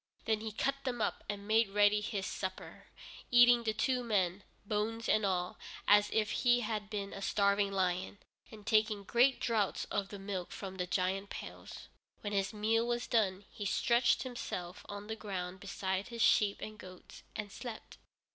Then he cut them up, and made ready his supper, eating the two men, bones and all, as if he had been a starving lion, and taking great draughts of the milk from the giant pails. When his meal was done, he stretched himself on the ground beside his sheep and goats, and slept.